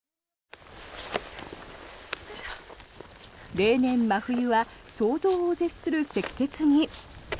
例年、真冬は想像を絶する積雪に。